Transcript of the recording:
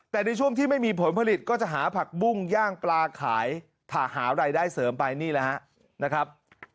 แต่ในช่วงที่ไม่มีผลผลิตก็จะหาผักบุ้งย่างปลาขายหารายได้เสริมไปนี่แหละฮะนะครับ